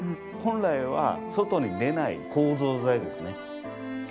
本来は外に出ない構造材ですね。